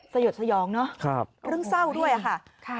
สยดสยองเนอะเรื่องเศร้าด้วยค่ะ